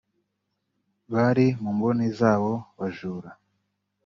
bari mu mboni z’abo bajura